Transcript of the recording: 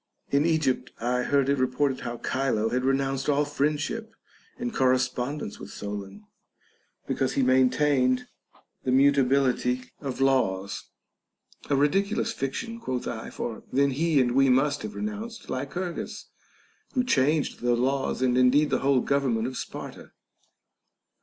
In Egypt I heard it reported how Chilo had re nounced all friendship and correspondence with Solon, because he maintained the mutability of laws. A ridicu lous fiction, quoth I, for then he and we must have re nounced Lycurgus, who changed the laws and indeed the whole government of Sparta.